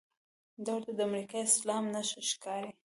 دا ورته د امریکايي اسلام نښه ښکاري.